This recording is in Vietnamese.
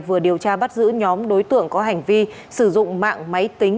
vừa điều tra bắt giữ nhóm đối tượng có hành vi sử dụng mạng máy tính